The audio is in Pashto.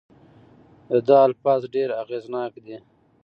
د ده الفاظ ډېر اغیزناک دي.